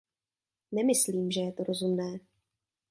Nemyslím, že je to rozumné.